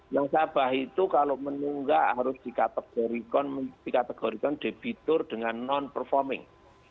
nasabah itu kalau menunggah harus dikategorikan debitur dengan non performing